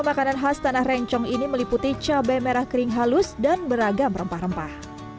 makanan khas tanah rencong ini meliputi cabai merah kering halus dan beragam rempah rempah